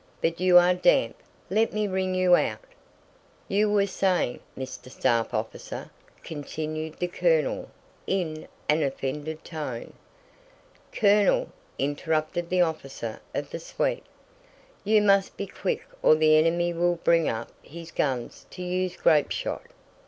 But you are damp! Let me wring you out!" "You were saying, Mr. Staff Officer..." continued the colonel in an offended tone. "Colonel," interrupted the officer of the suite, "You must be quick or the enemy will bring up his guns to use grapeshot."